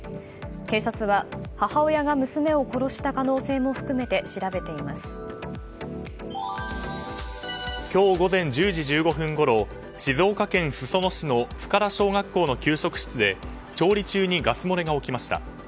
警察は母親が娘を殺した可能性も含めて今日午前１０時１５分ごろ静岡県裾野市の深良小学校の調理室で調理中にガス漏れが起きました。